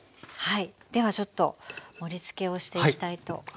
では盛りつけをしていきたいと思います。